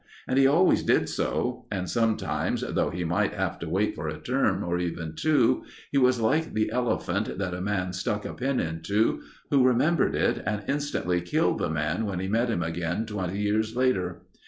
And he always did so, and sometimes, though he might have to wait for a term or even two, he was like the elephant that a man stuck a pin into, who remembered it and instantly killed the man when he met him again twenty years later.